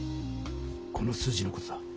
この数字の事だ。